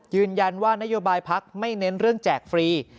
ยืนยันว่านโยบายพักไม่เน้นเรื่องแจกฟรี